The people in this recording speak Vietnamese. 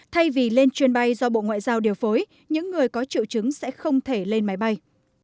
thay vì lên chuyên bay do bộ ngoại giao điều phối những người có triệu chứng sẽ không thể lên máy bay